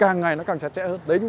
ngày nó càng chặt chẽ hơn